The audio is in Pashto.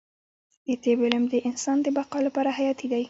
د طب علم د انسان د بقا لپاره حیاتي دی